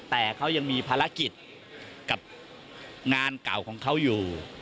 แต่เขายังมีภารกิจกับงานเก่าของเขาอยู่